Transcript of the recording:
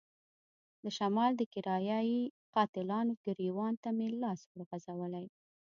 د شمال د کرايه ای قاتلانو ګرېوان ته مې لاس ورغځولی.